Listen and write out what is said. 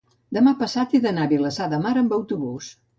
demà passat he d'anar a Vilassar de Mar amb autobús.